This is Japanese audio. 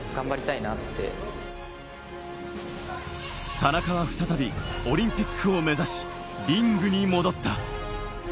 田中は再びオリンピックを目指し、リングに戻った。